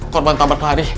korban tambah pelari